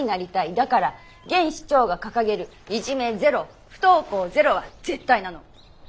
だから現市長が掲げるいじめゼロ不登校ゼロは絶対なの。